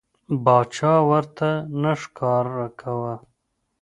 باچا ورته نه ښکاره کاوه.